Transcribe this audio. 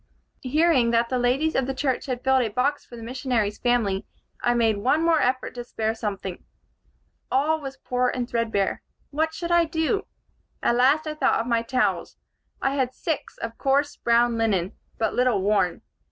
"Hearing that the ladies of the church had filled a box for the missionary's family, I made one more effort to spare something. All was poor and thread bare. What should I do? At last I thought of my towels. I had six, of coarse brown linen, but little worn.